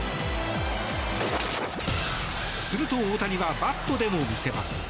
すると大谷はバットでも見せます。